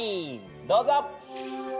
どうぞ！